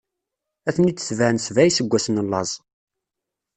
Ad ten-id-tebɛen sebɛa n iseggwasen n laẓ.